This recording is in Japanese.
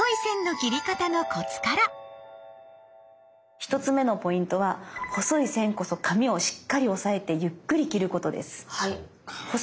１つ目のポイントは細い線こそ紙をしっかり押さえてゆっくり切ることです。